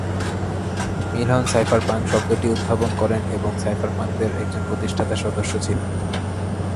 মিলহন সাইফারপাঙ্ক শব্দটি উদ্ভাবন করেন এবং সাইফারপাঙ্কদের একজন প্রতিষ্ঠাতা সদস্য ছিলেন।